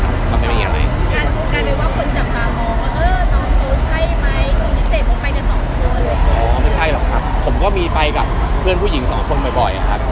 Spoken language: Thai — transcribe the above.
คนพิเศษผมไปกัน๒ตัวอ๋อไม่ใช่หรอกครับผมก็มีไปกับเพื่อนผู้หญิง๒คนบ่อยครับ